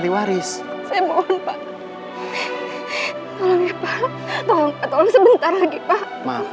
tolong sebentar lagi pak